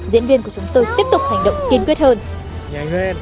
diễn viên của chúng tôi tiếp tục hành động kiên quyết hơn